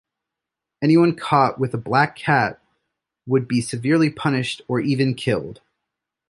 Anyone caught with a black cat would be severely punished or even killed.